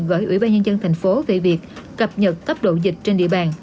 gửi ủy ban nhân dân thành phố về việc cập nhật tốc độ dịch trên địa bàn